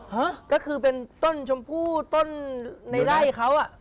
ฮะก็คือเป็นต้นชมพู่ต้นในไร่เขาอ่ะ